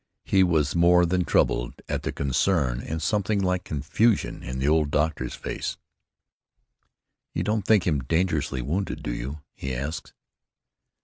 He was more than troubled at the concern, and something like confusion, in the old doctor's face. "You don't think him dangerously wounded, do you?" he asked.